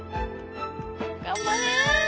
頑張れ！